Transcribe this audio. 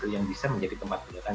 yang bisa menjadi tempat kegiatan